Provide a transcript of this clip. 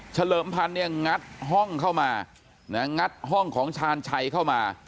เลิมพันธ์เนี่ยงัดห้องเข้ามางัดห้องของชาญชัยเข้ามา